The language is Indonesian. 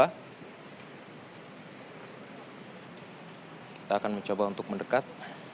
kita akan mencoba untuk mendekat